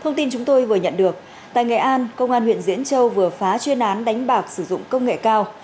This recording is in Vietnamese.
thông tin chúng tôi vừa nhận được tại nghệ an công an huyện diễn châu vừa phá chuyên án đánh bạc sử dụng công nghệ cao